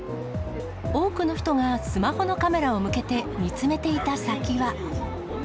多くの人がスマホのカメラを向けて見つめていた先は。